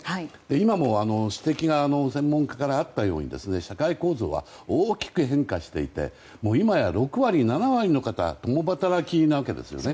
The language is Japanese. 今も専門家から指摘があったように社会構造は大きく変化していて今や６割、７割の方が共働きなわけですよね。